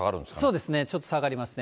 そうですね、ちょっと下がりますね。